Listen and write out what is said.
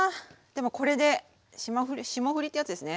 でもこれで霜降りってやつですね。